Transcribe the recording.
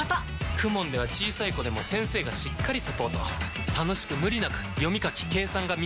ＫＵＭＯＮ では小さい子でも先生がしっかりサポート楽しく無理なく読み書き計算が身につきます！